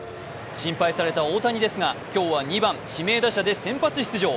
心配された大谷ですが今日は２番・指名打者で先発出場。